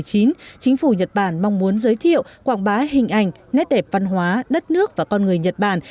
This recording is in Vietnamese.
chính phủ nhật bản mong muốn giới thiệu quảng bá hình ảnh nét đẹp văn hóa đất nước và con người nhật bản